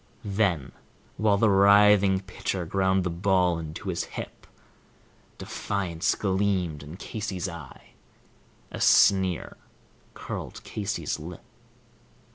Then, while the writhing pitcher ground the ball into his hip, Defiance gleamed in Casey's eye, a sneer curled Casey's lip.